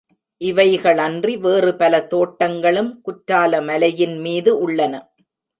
இவைகளன்றி வேறுபல தோட்டங்களும் குற்றாலமலையின்மீது உள்ளன.